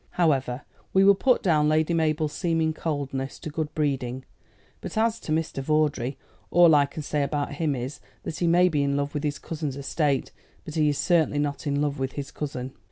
"However, we will put down Lady Mabel's seeming coldness to good breeding. But as to Mr. Vawdrey, all I can say about him is, that he may be in love with his cousin's estate, but he is certainly not in love with his cousin."